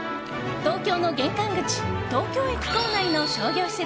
東京の玄関口、東京駅構内の商業施設